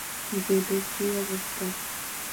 জেটের কী অবস্থা?